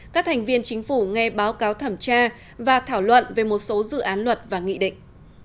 các thành viên chính phủ nghe báo cáo thẩm tra và thảo luận về một số dự án luật và nghị định